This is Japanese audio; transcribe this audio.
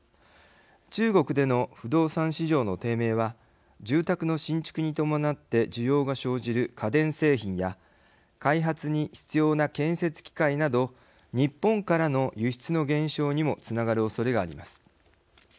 中国での不動産市場の低迷は住宅の新築に伴って需要が生じる家電製品や開発に必要な建設機械など日本からの輸出の減少にもつながるおそれがあります。